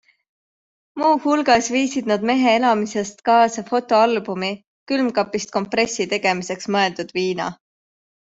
Muu hulgas viisid nad mehe elamisest kaasa fotoalbumi, külmkapist kompressi tegemiseks mõeldud viina.